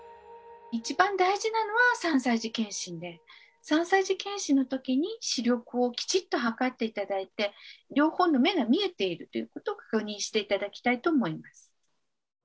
一番大事なのは３歳児健診で３歳児健診の時に視力をきちっと測って頂いて両方の目が見えているということを確認して頂きたいと思います。